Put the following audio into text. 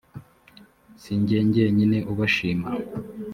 si jye jyenyine ubashima